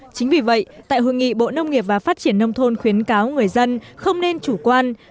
chính vì vậy tại hội nghị bộ nông nghiệp và phát triển nông thôn khuyến cáo người dân không nên chủ quan